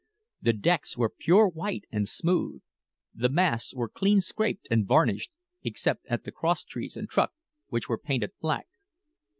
The decks were pure white and smooth. The masts were clean scraped and varnished, except at the cross trees and truck, which were painted black.